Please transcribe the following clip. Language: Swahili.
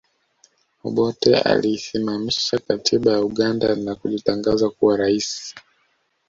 Obote aliisimamisha katiba ya Uganda na kujitangaza kuwa rais